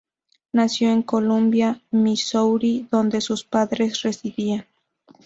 Nació en Columbia, Missouri, donde sus padres residían.